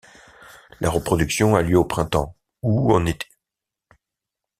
La reproduction a lieu au printemps ou en été.